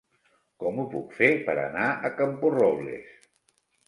Com ho puc fer per anar a Camporrobles?